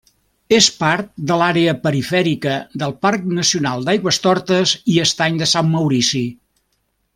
És part de l'àrea perifèrica del Parc Nacional d'Aigüestortes i Estany de Sant Maurici.